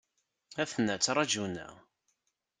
Aten-a ttrajun-aɣ.